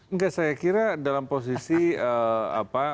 enggak saya kira dalam posisi apa